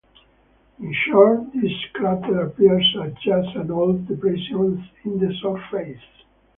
In short, this crater appears as just an old depression in the surface.